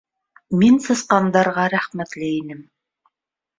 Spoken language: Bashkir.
Мин сысҡандарға рәхмәтле инем.